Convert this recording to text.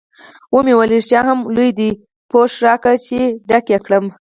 ویې ویل: رښتیا هم لوی دی، پوښ راکړه چې ډک یې کړم.